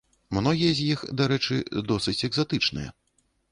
Многія з іх, дарэчы, досыць экзатычныя.